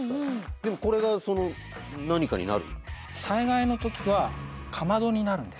でもこれがその何かになる？